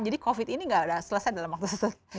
jadi covid ini gak ada selesai dalam waktu sesuatu